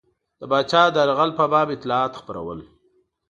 د پاچا د یرغل په باب اطلاعات خپرول.